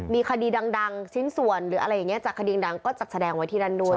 มีคดีดังชิ้นส่วนจากถึงคดีดังก็จัดแสดงไว้ที่นั้นด้วย